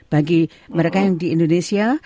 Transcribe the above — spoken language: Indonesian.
bagi mereka yang di indonesia